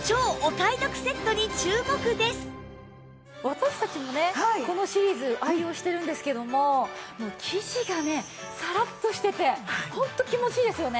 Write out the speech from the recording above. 私たちもねこのシリーズ愛用してるんですけどももう生地がねサラッとしててホント気持ちいいですよね。